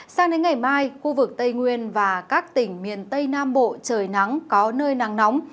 sang đến ngày mai khu vực tây nguyên và các tỉnh miền tây nam bộ trời nắng có nơi nắng nóng